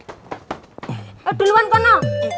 eh duluan pono